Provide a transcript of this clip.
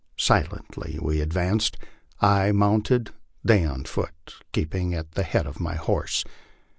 Silently we advanced, I mounted, they on foot, keeping at the head of my horse.